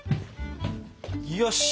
よし！